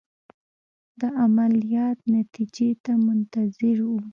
د عملیات نتیجې ته منتظر وو.